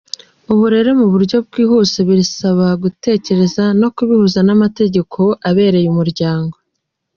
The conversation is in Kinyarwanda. Ubu rero mu buryo bwihuse birasaba gutekereza no kubihuza n’amategeko abereye umuryango.